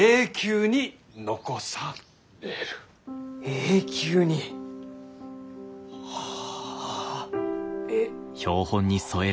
永久に！？はあ。え。